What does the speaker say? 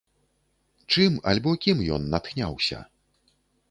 Чым альбо кім ён натхняўся?